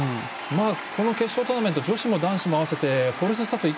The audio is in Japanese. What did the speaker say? この決勝トーナメント女子も男子も合わせてフォルススタート